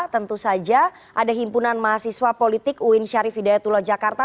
tentu saja ada himpunan mahasiswa politik uin syarif hidayatullah jakarta